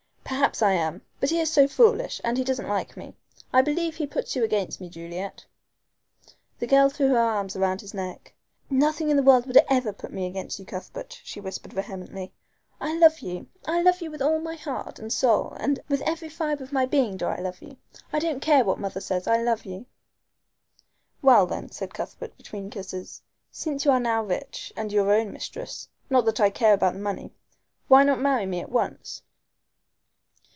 "Perhaps I am. But he is so foolish, and he doesn't like me. I believe he puts you against me, Juliet." The girl threw her arms round his neck. "Nothing in the world would ever put me against you, Cuthbert," she whispered vehemently. "I love you I love you with all my heart and soul, with every fibre of my being do I love you. I don't care what mother says, I love you." "Well, then," said Cuthbert, between kisses, "since you are now rich and your own mistress not that I care about the money why not marry me at once?"